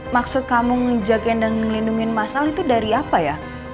maksud kamu ngejagain dan melindungi masal itu dari apa ya